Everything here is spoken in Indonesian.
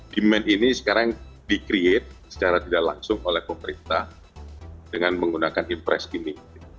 demand ini sekarang di create secara tidak langsung oleh pemerintah dengan menggunakan impress ini